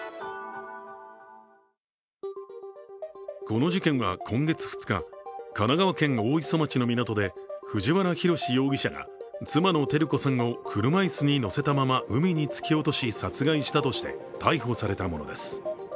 この事件は今月２日、神奈川県大磯町の港で藤原宏容疑者が妻の照子さんを車椅子に乗せたまま海に突き落とし殺害したとして逮捕されたものです。